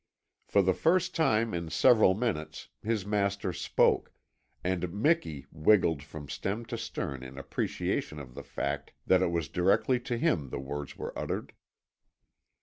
For the first time in several minutes his master spoke, and Miki wiggled from stem to stern in appreciation of the fact that it was directly to him the words were uttered.